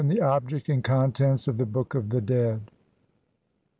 THE OBJECT AND CONTENTS OF THE BOOK OF THE DEAD.